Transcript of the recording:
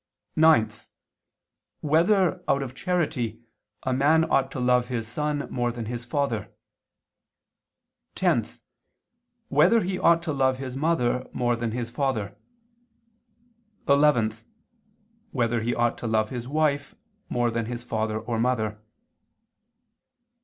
(9) Whether, out of charity, a man ought to love his son more than his father? (10) Whether he ought to love his mother more than his father? (11) Whether he ought to love his wife more than his father or mother?